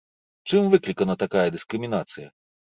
Чым выклікана такая дыскрымінацыя?